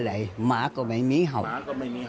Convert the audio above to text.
หมาก็ไม่มีเห่าหมาก็ไม่มีเห่าหมาก็ไม่มีเห่า